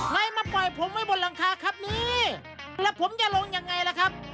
ไหนมาปล่อยผมไว้บนหลังคาครับนี่แล้วผมจะลงยังไงล่ะครับ